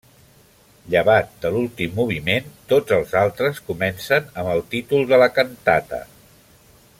Llevat de l'últim moviment, tots els altres comencen amb el títol de la cantata.